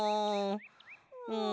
うん。